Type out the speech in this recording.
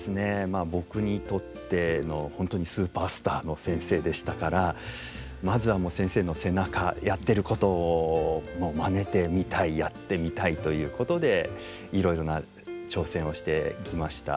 まあ僕にとっての本当にスーパースターの先生でしたからまずは先生の背中やってることをまねてみたいやってみたいということでいろいろな挑戦をしてきました。